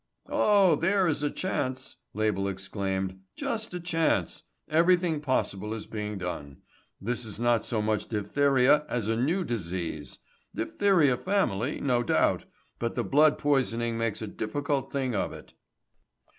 "Oh, there is a chance," Label exclaimed. "Just a chance. Everything possible is being done. This is not so much diphtheria as a new disease. Diphtheria family, no doubt, but the blood poisoning makes a difficult thing of it."